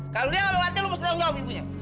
kalau lia gak mau ganti lu mesti tanggung jawab ibunya